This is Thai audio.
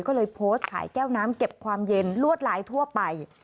ก็เลยโพสต์ขายแก้วน้ำเก็บความเย็นลวดลายทั่วไป